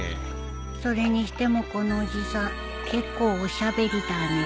それにしてもこのおじさん結構おしゃべりだね